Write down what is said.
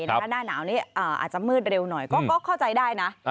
หน้าหนาวนี้อาจจะมืดเร็วหน่อยก็เข้าใจได้นะ